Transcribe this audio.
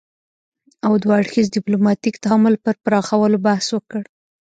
او دوه اړخیز ديپلوماتيک تعامل پر پراخولو بحث وکړ